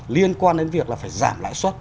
liên quan đến việc là phải giảm lãi suất